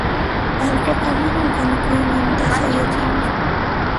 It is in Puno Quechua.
allquqa manan kanikuyninta sayachinchu.